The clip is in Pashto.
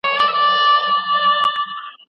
زه که مساپر نهیم، نو دا ولې؟